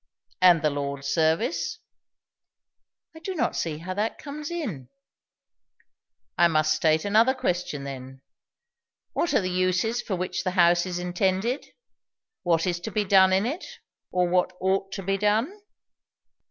"And the Lord's service?" "I do not see how that comes in." "I must state another question, then. What are the uses for which the house is intended? what is to be done in it, or what ought to be done?"